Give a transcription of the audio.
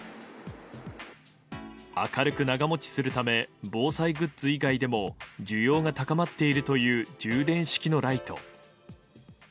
明るく長持ちするため防災グッズ以外でも需要が高まっているという充電式のライト。